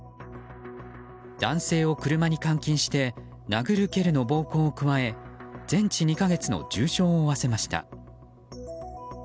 男性を車に監禁して殴る蹴るの暴行を加え全治２か月の重傷を負わせました。